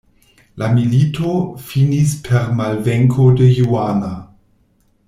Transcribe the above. La milito finis per malvenko de Juana.